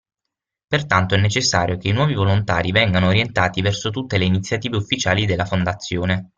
Pertanto è necessario che i nuovi volontari vengano orientati verso tutte le iniziative ufficiali della fondazione.